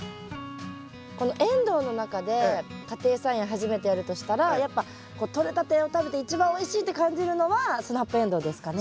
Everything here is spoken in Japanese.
このエンドウの中で家庭菜園初めてやるとしたらやっぱこうとれたてを食べて一番おいしいって感じるのはスナップエンドウですかね？